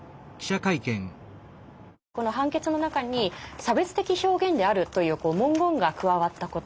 この判決の中に「差別的表現である」という文言が加わったこと。